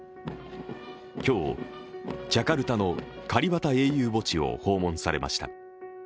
今日ジャカルタのカリバタ英雄墓地を訪問されました。